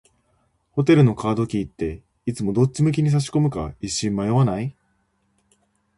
ホテルのカードキーって、いつもどっち向きに差し込むか一瞬迷わない？